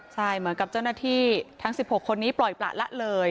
ใช่เหมือนกับเจ้าหน้าที่ทั้ง๑๖คนนี้ปล่อยประละเลย